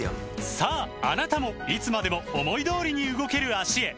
さああなたもいつまでも思い通りに動ける脚へサントリー「ロコモア」